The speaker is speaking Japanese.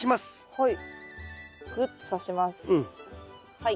はい。